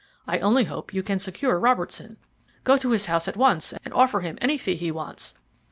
I only hope you can secure Robertson. Go to his house at once and offer him any fee he wants.